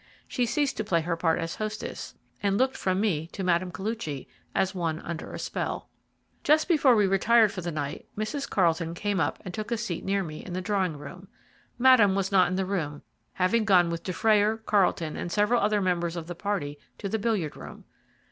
She ceased to play her part as hostess, and looked from me to Mme. Koluchy as one under a spell. Just before we retired for the night, Mrs. Carlton came up and took a seat near me in the drawing room. Madame was not in the room, having gone with Dufrayer, Carlton, and several other members of the party to the billiard room.